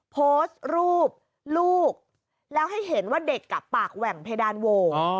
โพสต์รูปลูกแล้วให้เห็นว่าเด็กปากแหว่งเพดานโว